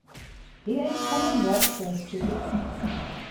"He ain't come in yet," says Judy.